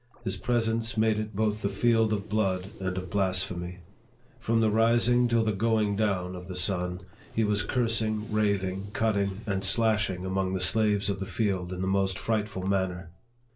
His presence made it both the field of blood and of blasphemy. From the rising till the going down of the sun, he was cursing, raving, cutting, and slashing among the slaves of the field, in the most frightful manner.